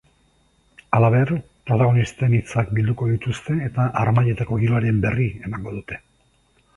Halaber, protagonisten hitzak bilduko dituzte eta harmailetako giroaren berri emango dute.